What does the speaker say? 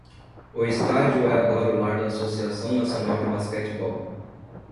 O estádio é agora o lar da Associação Nacional de basquetebol.